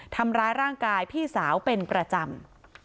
ทำร้ายร่างกายพี่สาวเป็นประจำ